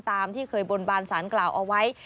ตามที่เคยบนบานสารกล่าวเอาไว้